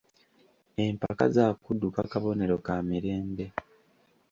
Empaka za kudduka Kabonero ka mirembe.